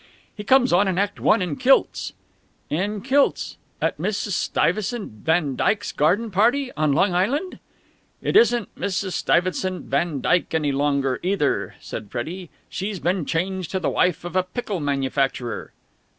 "He comes on in Act One in kilts!" "In kilts! At Mrs. Stuyvesant van Dyke's garden party! On Long Island!" "It isn't Mrs. Stuyvesant van Dyke any longer, either," said Freddie. "She's been changed to the wife of a pickle manufacturer."